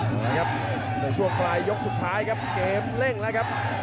มาครับในช่วงปลายยกสุดท้ายครับเกมเร่งแล้วครับ